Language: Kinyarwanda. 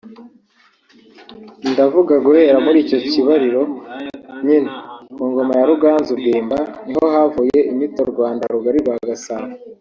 ndavuga guhera muri icyo kibariro nyine (ku Ngoma ya Ruganzu Bwimba) niho havuye inyito « Rwanda Rugari rwa Gasabo »